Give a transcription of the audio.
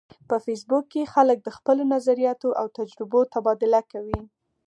په فېسبوک کې خلک د خپلو نظریاتو او تجربو تبادله کوي